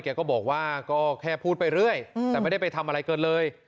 แกก็บอกว่าก็แค่พูดไปเรื่อยแต่ไม่ได้ไปทำอะไรเกินเลย